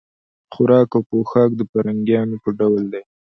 خوراک او پوښاک د فرنګیانو په ډول دی.